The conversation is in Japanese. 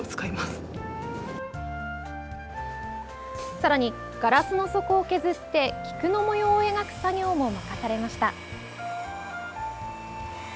さらにガラスの底を削って菊の模様を描く作業も任されました。